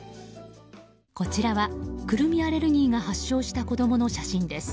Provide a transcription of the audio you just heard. こちらはクルミアレルギーが発症した子供の写真です。